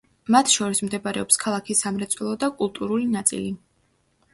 მათ შორის მდებარეობს ქალაქის სამრეწველო და კულტურული ნაწილი.